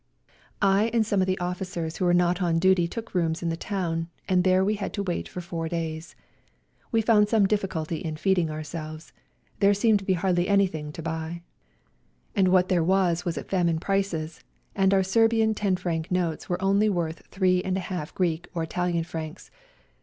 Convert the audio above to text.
I and some of the officers who were not on duty took rooms in the town, and there we had to wait for four days. We found some difficulty in feeding ourselves; there seemed to be hardly anything to buy, and WE GO TO CORFU 197 what there was was at famine prices, and our Serbian 10 franc notes were only worth three and a half Greek or Italian francs.